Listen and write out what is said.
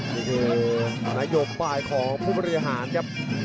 นี่คือนโยบายของผู้บริหารครับ